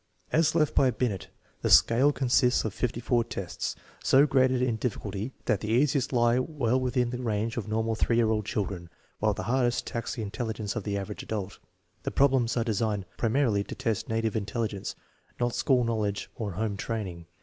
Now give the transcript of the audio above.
As left by JJineft the scale consists of 5 i tests, so graded in difficulty thai the. easiest lie well within the range of normal ^ year old children, while the hardest lax the intelligence of the average adult. The problems are (Unsigned primarily to test native intelligence, not school knowledge or home training.